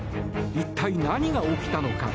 一体、何が起きたのか。